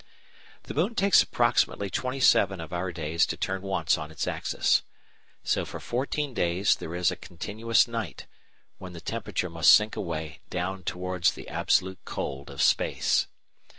The moon takes approximately twenty seven of our days to turn once on its axis. So for fourteen days there is continuous night, when the temperature must sink away down towards the absolute cold of space.